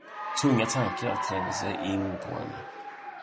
Tunga tankar trängde sig in på henne.